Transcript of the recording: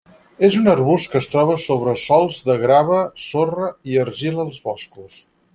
És un arbust que es troba sobre sòls de grava, sorra i argila als boscos.